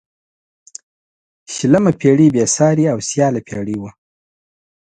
شلمه پيړۍ بې سیارې او سیاله پيړۍ وه.